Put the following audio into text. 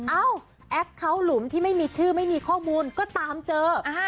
เอ้าแอคเคาน์หลุมที่ไม่มีชื่อไม่มีข้อมูลก็ตามเจอ